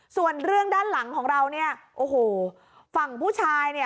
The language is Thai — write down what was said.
ส่วนเรื่องด้านหลังของเราเนี่ยโอ้โหฝั่งผู้ชายเนี่ย